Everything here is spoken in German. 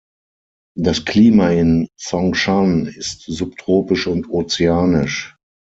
Das Klima in Zhongshan ist subtropisch und ozeanisch.